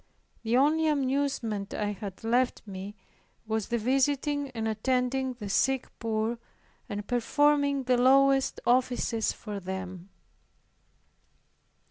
The only amusement I had left me, was the visiting and attending the sick poor, and performing the lowest offices for them.